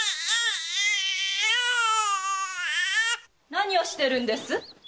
何をしてるんです？